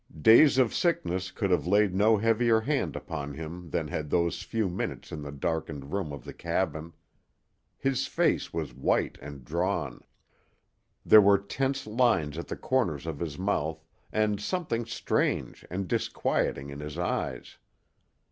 Days of sickness could have laid no heavier hand upon him than had those few minutes in the darkened room of the cabin. His face was white and drawn. There were tense lines at the corners of his mouth and something strange and disquieting in his eyes.